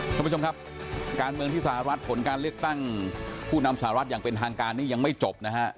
ท่านผู้ชมครับการเมืองที่สหรัฐผลการเลือกตั้งผู้นำสหรัฐอย่างเป็นทางการนี้ยังไม่จบนะฮะ